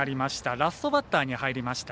ラストバッターに入りました。